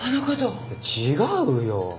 違うよ。